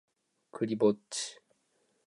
クリぼっち